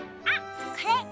あっこれ！